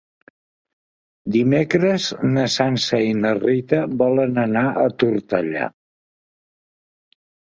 Dimecres na Sança i na Rita volen anar a Tortellà.